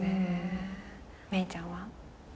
芽郁ちゃんは？